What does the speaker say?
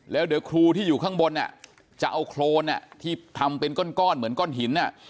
แล้วเดี๋ยวครูที่อยู่ข้างบนจะเอาโครนที่ทำเป็นก้อนเหมือนก้อนหิน